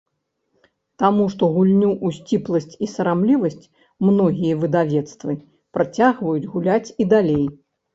Таму што гульню ў сціпласць і сарамлівасць многія выдавецтвы працягваюць гуляць і далей.